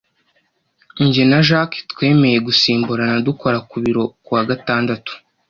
jye na jack twemeye gusimburana dukora ku biro ku wa gatandatu